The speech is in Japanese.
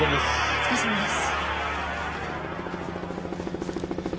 お疲れさまです。